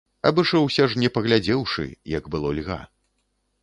Абышоўся ж не паглядзеўшы, як было льга.